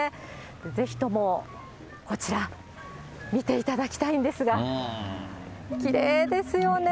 ぜひともこちら見ていただきたいんですが、きれいですよね。